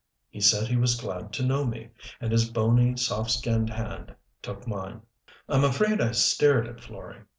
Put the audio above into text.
He said he was glad to know me, and his bony, soft skinned hand took mine. I'm afraid I stared at Florey.